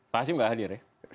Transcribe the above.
pak asim nggak hadir ya